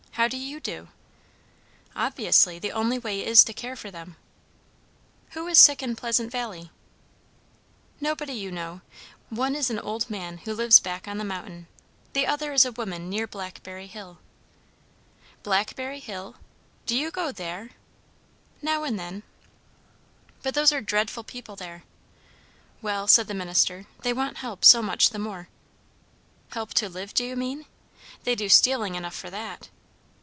How do you do?" "Obviously, the only way is to care for them." "Who is sick in Pleasant Valley?" "Nobody you know. One is an old man who lives back on the mountain; the other is a woman near Blackberry hill." "Blackberry hill? do you go there?" "Now and then." "But those are dreadful people there." "Well," said the minister, "they want help so much the more." "Help to live, do you mean? They do stealing enough for that."